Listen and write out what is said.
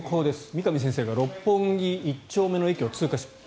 三上先生が六本木１丁目の駅を通過。